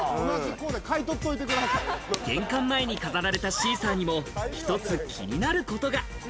玄関前に飾られたシーサーにも、一つ気になることが。